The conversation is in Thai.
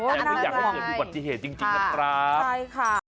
แอบว่าอยากให้เห็นผู้บัติเหตุจริงนะครับ